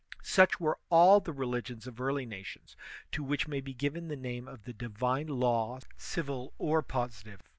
Such were all the religions of early nations, to which may be given the name of the divine law, civil or positive.